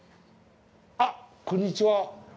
あっ、こんにちは。